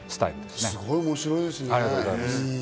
すごく面白いですね。